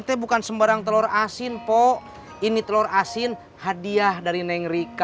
teh bukan sembarang telur asin pok ini telur asin hadiah dari neng rika